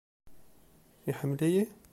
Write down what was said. Iḥemmel-iyi?